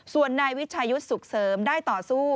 ส่วนนายวิชายุทธ์สุขเสริมได้ต่อสู้